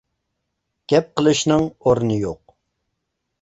گەپ قىلىشنىڭ ئورنى يوق.